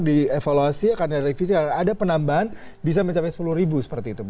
dievaluasi akan ada revisi ada penambahan bisa mencapai sepuluh ribu seperti itu